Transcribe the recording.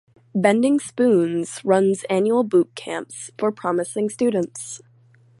Bending Spoons runs annual bootcamps for promising students.